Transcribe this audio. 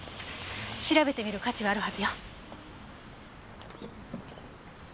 調べてみる価値はあるはずよ。